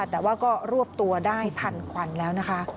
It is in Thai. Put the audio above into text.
แต่ว่าก็รวบตัวได้ทันควันแล้วนะคะ